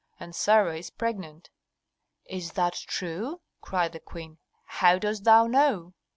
And Sarah is pregnant." "Is that true?" cried the queen. "How dost thou know?"